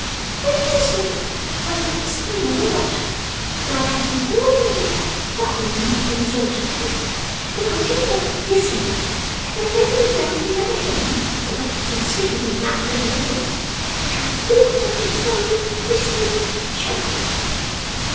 When he was asleep, I'd make a spoon red hot, and I'd have some boiling liquor bubbling in a saucepan, and I'd take it out hissing, and I'd open his mouth with the other hand or perhaps he'd sleep with his mouth ready open and I'd pour it down his throat, and blister it and choke him.